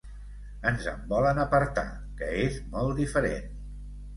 Ens en volen apartar, que és molt diferent.